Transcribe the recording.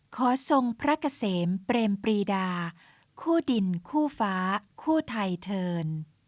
ทรงพระเกษมเปรมปรีดาคู่ดินคู่ฟ้าคู่ไทเทิร์น